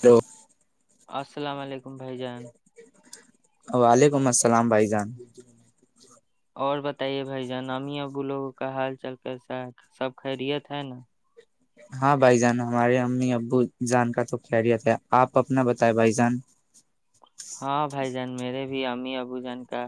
تو السلام علیکم بھائی جان وعلیکم السلام بھائی جان اور بتائیے بھائی جانا امی ابو لوگوں کا حال چال کیسا ہے سب خیریت ہے نا ہاں بھائی جان ہمارے امی ابو جان کا تو خریت ہے آپ اپنا بتائے بھائی جان ہاں بھائی جان میرے بھی امی ابو جان کا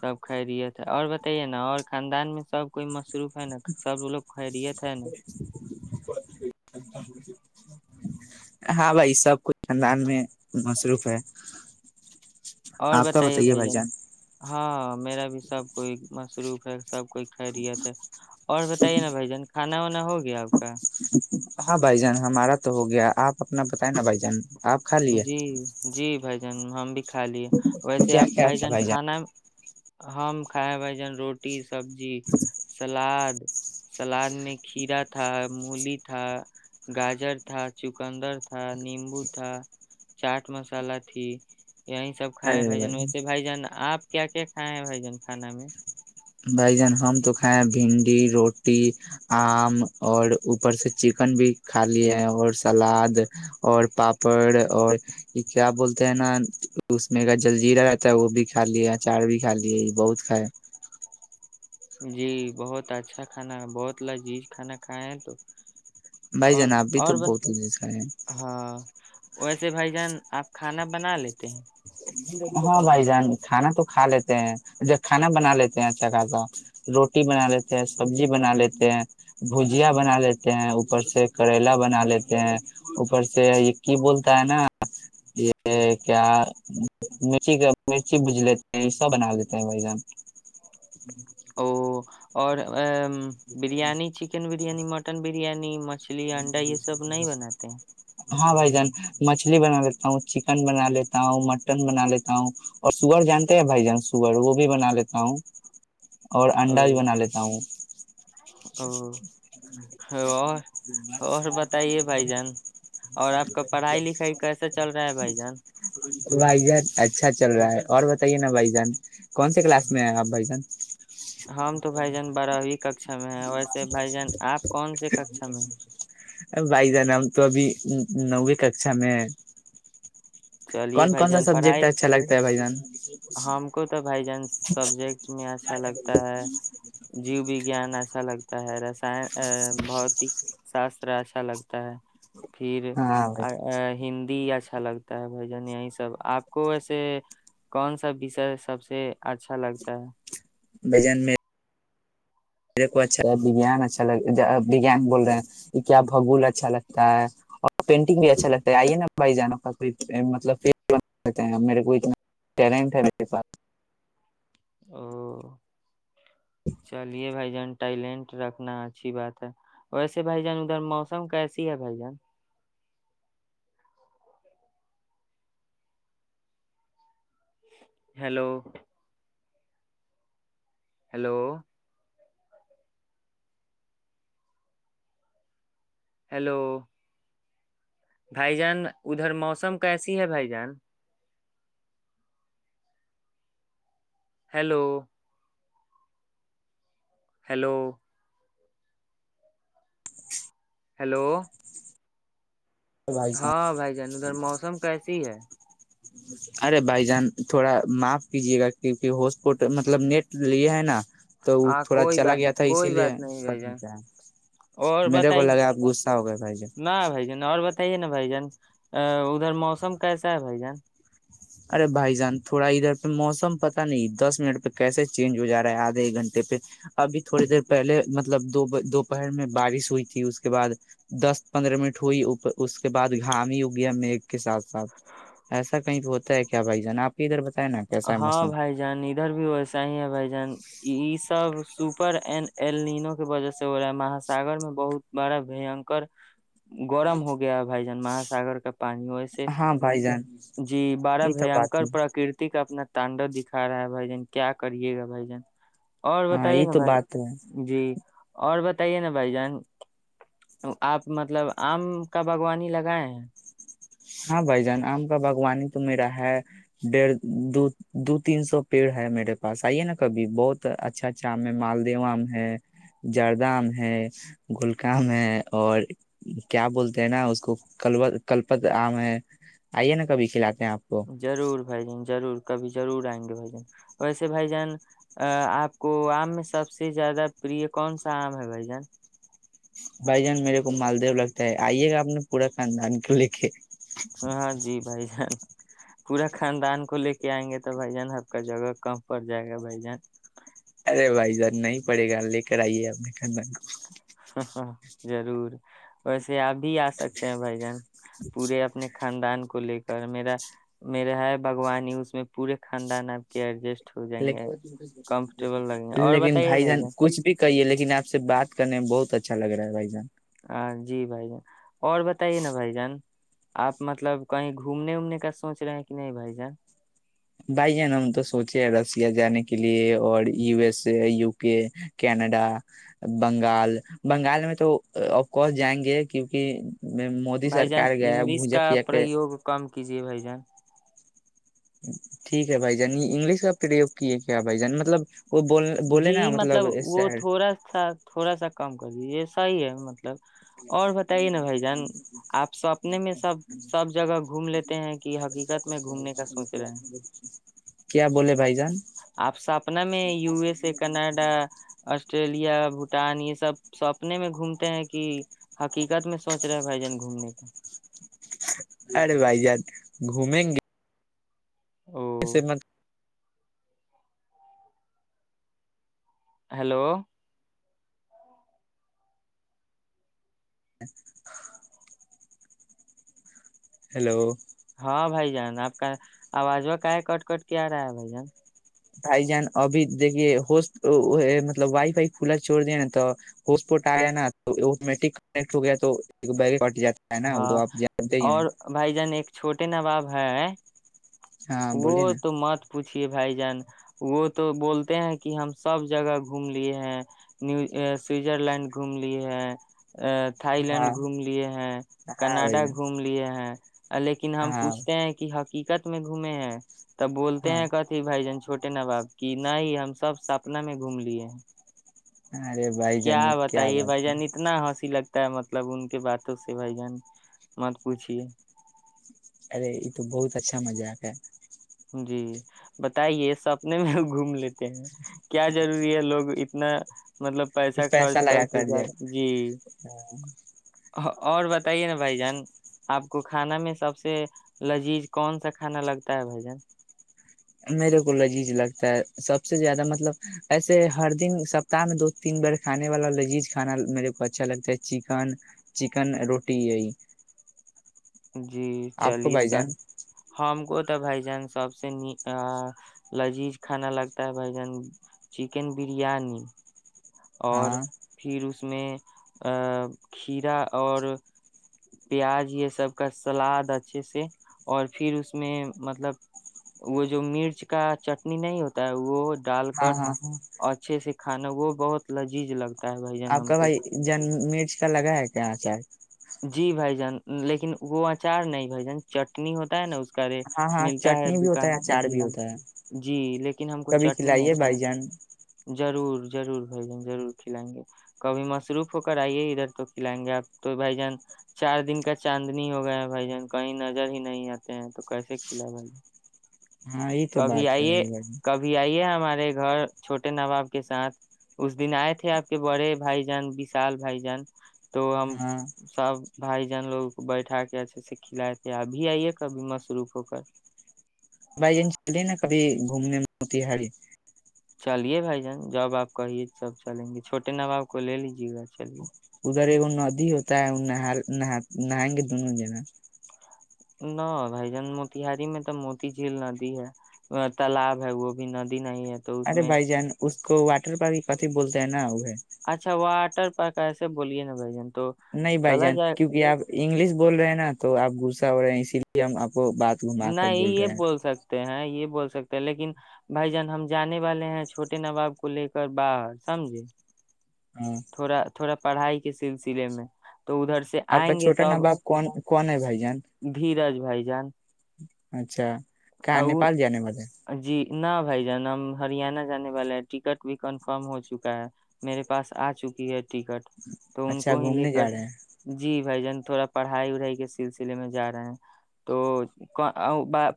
سب خیریت ہے اور بتائیے نا اور خاندان میں سب کوئی مصروف ہے نا سب لوگ خیریت ہے نا ہاں بھائی سب کچھ خاندان میں مصروف ہے آپ کا بتائیے بھائی جان ہاں میرا بھی سب کوئی مصروف ہے سب کوئی خیرییت ہے اور بتائیے نا باے جان کھانا وانا ہو گیا آپ کا ہاں بھائی جان ہمارا تو ہو گیا آپ اپنا بتائیں نا بھائی جان آپ کھا لیے جی جی بھا ی جن ہم بھی کھا لیے ویسے کیا آپ کیا بھائی تھا جان کھانا ہم کھائے بھائی جان روٹی سبزی سلاد سلاد میں کھیرا تھا مولی تھا گاجر تھا چکندر تھا نیمبو تھا چاٹ مسلہ تھی یہیں سب کائے ہیں بھائی جن ویسے بھائی جان آپ کیا کیا کھائے ہیں بھائی جان کھانا میں بھائی جان ہم تو کھائے ہیں بھنڈی روٹی آم اور اوپر سے چکن بھی کھا لیے اور سلاد اور پاپڑ اور یہ کیا بولتے ہیں نا اس میں کا جلجیرا رہتا ہے وہ بھی کھا لے اچار بھی کھا لیے یہ بہت کھائے جی بہت اچھا کھانا بہت لذیذ کھانا کھائے ہیں تو بھائی اور جناب بھی تو اور ب- بہت لذیز کھا ہے ہاں ویسے بھائی جان آپ کھانا بنا لیتے ہیں ہاں بھائی جان کھانا تو کھا لیتے ہیں جب کھانا بنا لیتے ہیں اچھا خاصا روٹی بنا لیتے ہیں سبزی بنا لیتے ہیں بھجیا بنا لیتے ہیں اوپر سے کریلا بنا لیتے ہیں اوپر سے یہ کی بولتا ہے نا یہ کیا مرچی کا مرچی بج لیتے ہیں یہ سب بنا لیتے ہیں بائی جان او اور ا بریانی چکن بریانی متن بریانی بریانی م مچھلی انڈا یہ سب نہیں بناتے ہیں ہاں بھائی جان مچھلی بنا لیتا ہوں چکن بنا لیتا ہوں مٹن بنا لیتا ہوں اور سو ور جانتے ہیں بھائی جان سور وہ بھی بنا لیتا ہوں اور او انڈاج بنا لیتا ہوں ا و [unintelligible] اور بتائیے بھائی جان اور آپ کا پڑھائی لکھائی کیسا چل رہا ہے بھائی جان بھائی جان اچھا چل رہا ہے اور بتائیے نا بھائی جان کون سے کلاس میں ہیں آپ بھائی جان ہم تو بھائی جان بارہ ہو ککاشا میں ہے ویسے بھائی جان آپ کون سے ککا میں ا بھائی جانا ہم تو ابھی نویں ککشا میں ہے چلیے کون بھائی کون سا جان سبجیکٹ پڑھائی اچھا لگتا ہے بھائی جان کش [unintelligible] ہم کو تو بھائی جان سبجیکٹ میں اچھا لگتا ہے جیو وگان اچھا لگتا ہے رسان بھتک شاستر اچھا لگتا ہے پھر ہاں ہند ج اچھا لگتا ہے بھائی جن یہی سب آپ کو ویسے کون سا وسر سب سے اچھا لگتا ہے بجن میں میرے کو اچھا لیان اچھا لگگیان بول رہے ہیں کہ کیا بھگول اچھا لگتا ہے اور پینٹنگ بھی اچھا لگتا ہے آئیے نا بھائی جانوں کا کوئی مطلب فتے میرے کو اتنا ٹیلنٹ ہے میرے پاس [inaudible] [inaudible] چلیے بھائی ٹائلینٹ رکھنا اچھی بات ہے ویسے بھائی جان ادھر موسم کیسی ہے بھائی جان ہلو ہلو ہیلو بھائی جان ادھر موسم کیسی ہے بھائی جان ہیلو ہیلو ہیلو بھائی جان. ہاں بھائی جان ادھر موسم کیسی ہے ارے بھائی جان تھوڑا معاف کیجیے گا کیونکہ ہوسپٹ مطلب نیٹ یہ ہے نا تو وہ ہاں تھوڑا کوئی چلا بات گیا تھا اسی کوئی لیے بات نہیں بھ کٹ جن دیتا ہے اور میرے کو بتائی لگا آپ غصہ ہو گئے بھائی جان نہ بھائی جان اور بتائیے نا بھائی جان ا ادھر موسم کیسا ہے بھائی جان ارے بھائی جان تھوڑا ادھر پہ موسم پتا نہیں دس منٹ پہ کیسے چینج ہو جا رہا ہے آدھے ایک گھنٹے پہ ابھی تھوڑی دیر پہلے مطلب دو دوپہر میں بارش ہوئی تھی اس کے بعد دس پندرہ منٹ ہوئی اس کے بعد گام اگیا میگ کے ساتھ ساتھ ایسا کہیں پتا ہے کیا بھائی جان آپ کے ادھر ہاں موسم بھائی جان ادھر بھی ویسا ہی ہے بھائی جان یہ سب سپر ا ایلینو کی وجہ سے ہو رہا ہے مہاساگر میں بہت بڑا بینکر گرم ہو گیا بھائی مہاگر کا پانی ہوے ہاں بھائی جان جی بارہ یہ تو بات بیاکر ہے، پرکرتی اپنا تانڈو دکھا رہا ہے بھائی جن کیا کریے گا بھائی جن اور ہاں بتائیے یہ نا تو بھائی بات ہے جی اور بتائیے نا بھائی جان آپ مطلب آم کا باغوانی لگائے ہیں ہاں بھائی جان آم کا باغوانی تو میرا ہے ڈڑھ دو دو تین سو پیڑ ہے میرے پاس آئیے نا کبھی بہت اچھا اچھا آم ہے مالدو آم ہے جردہ آم ہے گھلکا آم ہے اور کیا بولتے ہیں نا اس کو ک کلپت آ میں آئیے نا کبھی کھلاتے ہیں آپ کو ضرور بھائی ج جضور کبھی ضرور آئیں گے بھ جن ویسے بھائی جان آپ کو آم میں سب سے زیادہ پر کون سا آم ہے بھائی جان بھائی جان میرے کو مالدیو لگتا ہے آئیے گا آپ نے پورا خاندان کو لے کے ہاں ہاں جی بھائی جان پورا خاندان کو لے کے آئیں گے تو بھ جان آب کا جگہ کہم پڑ جائے گا بھائی جان ارے بھائی جر نہیں پڑے گا لے کر آئیے ا کو ہ ضرور ویسے آپ بھی آ سکتے ہیں بھ جن پورے اپنے خاندان کو لے کر میرا میرا ہے بھوانی ہی اس میں پورے خاندان آپ کے ایڈجسٹ ہو ل جائیں گے کمفرٹیبل لگیں گے اور لیکن بتائیے بھائی جان کچھ بھی کہیے لیکن آپ سے بات کرنے میں بہت اچھا لگ رہا ہے بھائی جان ہاں جی بھائی جان اور بتائیے نا بھائی جان آپ مطلب کہیں گھومنے وومنے کا سوچ رہے ہیں کہ نہیں بھائی جان بھائی جان ہم تو سوچے ہیں رشیا جانے کے لیے اور یو ایس ا یوک کینیڈا بنگال بنگال میں تو اف کورس جائیں گے کیونکہ مودی بھائی جان سرکار گیا انگلش بھوجا کا کیا کہ پریوگ کم کیجیے بھائی جان ٹھیک ہے بھائی جان یہ انگلش کا پرریوگ کیے کیا بھائی جان مطلب وہ بول بولے جی نا مطلب وہ سر تھوڑا سا تھوڑا سا کم کر دیے صا ہی ہے مطلب [unintelligible] اور بتائیے نا بھائی جان آپ سپنے میں سب سب جگہ گھوم لیتے ہیں کہ حقیقت میں گھومنے کا سوچ رہے ہیں کیا بولے بھائی جان آپ سپنا میں یو ایس جی کناڈا آسٹریلیا [unintelligible] بھوٹان یہ سب سوپنے میں گھومتے ہیں کہ حقیقت میں سوچ رہے بھائی جان گھومنے کا ارے بھائی جان گھومیں گے او سیمنٹ [unintelligible] ہلو ہیلو ہاں بھائی جان آپ کا آواز و کا ہے کٹ کٹ کیا رہا ہے بھائی جان بھائی جان ابھی دیکے ہو مطلب وائی فائی کھلا چوڑ دیا نا تو ہوسپورٹ آیا نا تو میٹک کٹ ہو گیا تو بیگ کٹ جاتا ہے نا وہ ہاں تو آپ جانتے ہی ہیں اور بھائی جان ایک چھوٹے نا باب ہاں ہاں بولیے وہ نا تو مات پوچھیے بھائی جان وہ تو بولتے ہیں کہ ہم سب جگہ گھوم لیے ہیں نی سویزر لینڈ گھوم لیے ہیں تھائی ہاں لینڈ گھوم لیے ہیں ہاں بھائی کناڈا جان گھوم لیے ہیں لیکن ہم ہاں پوچھتے ہیں کہ ہاکی [unintelligible] گھومے ہیں تب بولتے ہاں ہیں کتھی بھائی جن چھوٹے ن باب کی نہیں ہم سب سپنا میں گھوم لیے ہیں ارے بھائی کیا جان یہ کیا بتائیے بات ہے بجن اتنا ہنسی لگ تا مطلب ان کے باتوں سے بھائی جان مت پوچھیے ارے یہ تو بہت اچھا مذق ہے جی بتائیے سپنے میں گھوم لیتے ہیں کیا ضروری ہے لوگ اتنا مطلب پیسہ خرچ کر کے جا جی اور بتائیے نا بھ جان آپ کو کھانا میں سب سے لذیذ کون سا کھانا لگتا ہے بھائی جان میرے کو لذیذ لگتا ہے سب سے زیادہ مطلب ایسے ہر دن سپتاہ میں دو تین بار کھانے والا لذیذ کھانا میرے کو اچھا لگتا ہے چکن چکن روٹی یہی جی آپ کو چالیس بھائی س جان ہم کو بھائی جان سب سے ن لذیذ کھانا لگتا ہے بھائی جان چکن بریانی اور ہاں پھر اس اس میں کھیرا اور پیاز یہ سب کا سلاد اچھے سے اور پھر اس میں مطلب وہ جو مرچ کا چٹنی نہیں ہوتا ہے وہ ڈال ہاں کر ہاں ہاں اچھے سے کھانا وہ بہت لجیز لگتا ہے بھائی جان آپ ہم کا کو بھائی جن م اس کا لگا ہے کہ یہاں کیا جی بھائی جان لیکن وہ اچار نہیں بھائی جان چٹنی ہوتا ہے نا اس ے ہاں ہاں ملتا ہے چٹنی بھی ہوتا دکان اچار جی بھی ہوتا ہے جی لیکن ہم کو کبھی چٹنی ہے کھلائیے چل بھائی جان جی ضرور ضرور بھائی جن ضرور کھلائیں گے کبھی مصروف ہو کر آئیے ادھر تو کھلائیں گے آپ تو بھائی ج چار دن کا چاندنی ہو گیا ہے بھائی جان کہیں نظر ہی نہیں آتے ہیں تو کیسے کھلا بھائی ج ہاں یہ تو کبھی بات ہے آئیے بھائی جان۔ کبھی آئیے ہمارے ارے گھر چھوٹے ناں باب کے ساتھ اس دن آئے تھے آپ کے بڑے بھائی جان وشال بھائی جان تو ہم ہاں سب بھائی جان لوگ بیٹھا کے ایسے سکھلائے تھے ابھی ائی ہے کبھی مصروف ہو کر بھائی جن چلے نا کبھی گھومنے میں ہو ت ہاریی چلیے بھائی جان جب آپ کہیے تب چلیں گے چھوٹے نواب کو لے لیجے گا چلیے اگر وہ ندی ہوتا ہے وہ نائیں گے دونوں جنا نہ بھ جان موتیہاری میں تو موتی جھیل ندی ہے تالاب ہے وہ بھی ندی نہیں ہے تو اس ارے میں بھائی جان اس کو واٹر پر کافھی بولتا ہے نا وہ ہے اچھا واٹ ٹر پارک آے بلیے نا بائی جان تو نہیں بھائی چلا جان جائے کیوںکہ آپ انگلش بول رہے ہیں نا تو آپ گ رہ ہیں اس لی ہم کو بات گھما کر نہیں یہ رہے ہیں بول سکتے ہیں یہ بول سکتے ہیں لیکن بھائی جان ہم جانے والے ہیں چھوٹے نواب کو لے کر باہر سمجے ہاں تھوڑا تھوڑا پڑھائی کے سلسلے میں تو ادھر سے آپ کا آئیں گے چھوٹا تب نباب کون کون ہے بھائی جان دھیرج بھائی جان اچھا کہ اور نیپال جینے مھے جی نہ بھائی جانا ہریانہ جانے والے ہیں ٹکٹ بھی کنفرم ہو چکا ہے میرے پاس آ چکی ہے ٹکٹ تو ان اچھا کو ہی لے گھومنے کر جا رہے ہیں جی بھائی جان تھوڑا پڑھائی وڑائی کے سلسلے میں جا رہے ہیں تو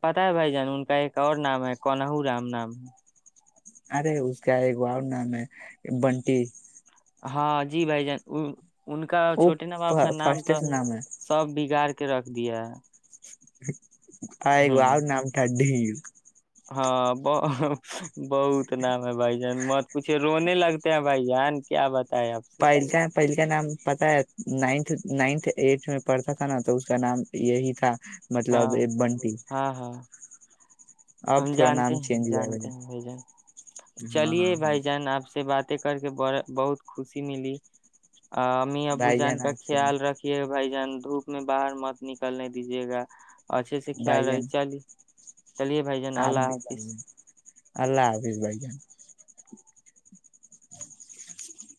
پتا ہے بھائی جان ان کا ایک اور نام ہے کونہو رام نام ہے ارے اس کا ایکا نام ہے بنٹی ہاں جی بھائی جان وہ ان کا وہ چھوٹے نا باپ کا نام فرسٹ تو سے نام ہے سب بگاڑ کے کے رکھ د ہے ہ آگ آ نام ٹاڈ ڈھیڑ ہاں ب بہت نام ہے بھائی جان مت پوچھے رونے لگتے ہیں بھائی جان کیا بات [unintelligible] پہل کا نام پتا ہے نائنھ نائنتھ ایٹھ میں پڑھتا تھا نا تو اس کا نام یہی تھا ہاں مطلب یہ بنتی ہاں ہاں ہم جانتے ہیں ہوا جانتے ہے ہیں بھائی جان ہاں چلیے ہاں ہاں بھائی جان آپ سے بات کر کے ب بہت خوشی ملی ا امی ابو بھائی جان کا آپ سے خیال رکھھیے بھائی جان دھوپ میں باہر مت نکلنے دیجیے گا اچھے سے بھائی خیال ہے جان چلی چلیے بھائی جان اللہ حافظ اللہ حافیظ بھائی جان